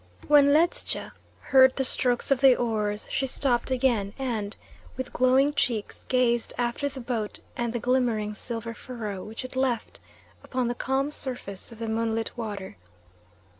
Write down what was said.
When Ledscha heard the strokes of the oars she stopped again and, with glowing cheeks, gazed after the boat and the glimmering silver furrow which it left upon the calm surface of the moonlit water.